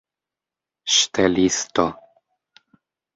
ŝtelisto